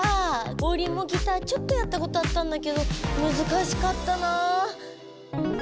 オウリンもギターちょっとやったことあったんだけどむずかしかったな。